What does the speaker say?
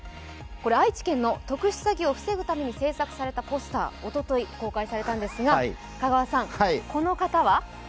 愛知県の特殊詐欺を防ぐために作成されたポスター、おととい、公開されたんですが、香川さん、この方は？